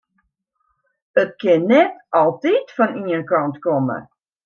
It kin net altyd fan ien kant komme.